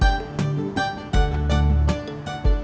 aku bilang kalau mau kesan